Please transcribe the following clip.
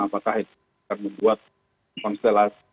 apakah itu akan membuat konstelasi